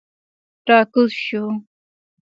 را کوز شوو.